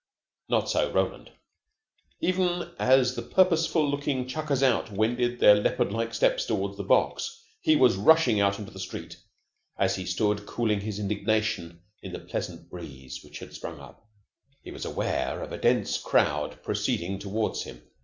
Not so Roland. Even as the purposeful looking chuckers out wended their leopard like steps toward the box, he was rushing out into the street. As he stood cooling his indignation in the pleasant breeze which had sprung up, he was aware of a dense crowd proceeding toward him.